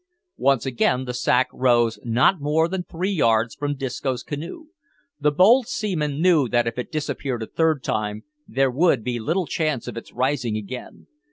Once again the sack rose not more than three yards from Disco's canoe. The bold seaman knew that if it disappeared a third time there would be little chance of its rising again.